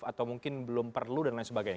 atau mungkin belum perlu dan lain sebagainya